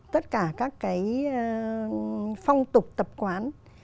tất cả các cái phong tục tập quán